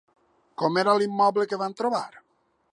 Com era l'immoble que van trobar?